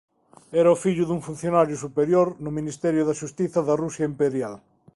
Era o fillo dun funcionario superior no Ministerio da Xustiza da Rusia Imperial.